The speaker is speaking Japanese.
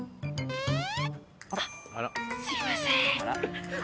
あっすいません。